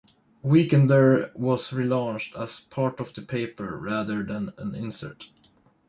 Weekender was relaunched as part of the paper, rather than an insert.